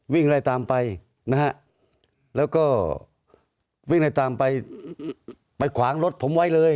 วิ่งไล่ตามไปนะฮะแล้วก็วิ่งไล่ตามไปไปขวางรถผมไว้เลย